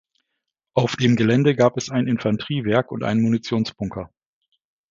Auf dem Gelände gab es ein Infanteriewerk und einen Munitionsbunker.